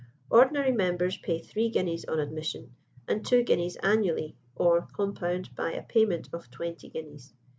Ordinary members pay three guineas on admission, and two guineas annually, or compound by a payment of twenty guineas.